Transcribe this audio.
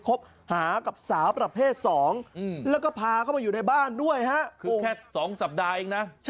คบหากับสาวประเภท๒แล้วก็พาเข้ามาอยู่ในบ้านด้วยฮะคือแค่๒สัปดาห์เองนะ